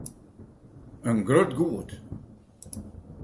In grut goed.